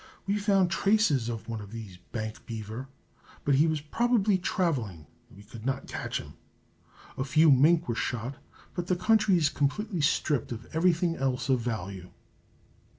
We found traces of one of these bank beaver, but he was probably traveling and we could not catch him. A few mink were shot, but the country is completely stripped of everything else of value.